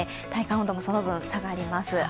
体感温度もその分、下がります。